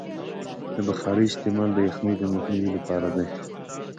د بخارۍ استعمال د یخنۍ د مخنیوي لپاره دی.